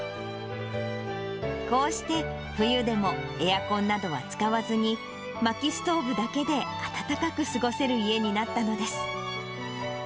こうして、冬でもエアコンなどは使わずに、まきストーブだけで暖かく過ごせる家になったのです。